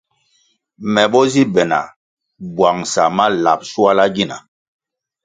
Me bo zi be na bwangʼsa ma lab shuala gina.